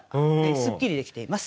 すっきりできています。